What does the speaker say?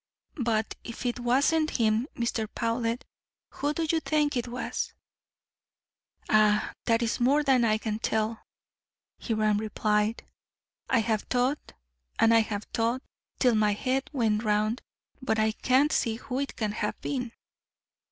But if it wasn't him, Mr. Powlett, who do you think it was?" "Ah, that is more than I can tell," Hiram replied. "I have thought, and I have thought, till my head went round, but I can't see who it can have been."